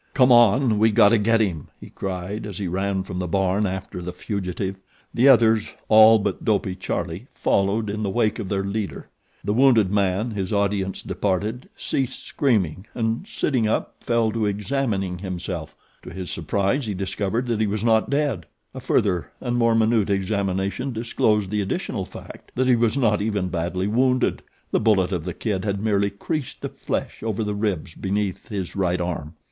"Come on! We gotta get him," he cried, as he ran from the barn after the fugitive. The others, all but Dopey Charlie, followed in the wake of their leader. The wounded man, his audience departed, ceased screaming and, sitting up, fell to examining himself. To his surprise he discovered that he was not dead. A further and more minute examination disclosed the additional fact that he was not even badly wounded. The bullet of The Kid had merely creased the flesh over the ribs beneath his right arm.